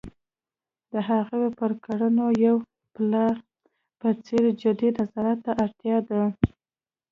د هغوی پر کړنو یوې پلار په څېر جدي نظارت ته اړتیا ده.